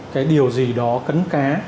cái điều gì đó cấn cá